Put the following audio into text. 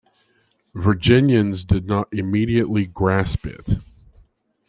Virginians did not immediately grasp it.